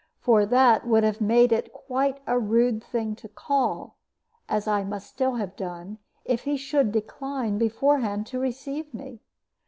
For that would have made it quite a rude thing to call, as I must still have done, if he should decline beforehand to receive me.